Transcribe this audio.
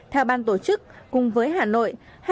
theo ban tổ chức cùng với hà nội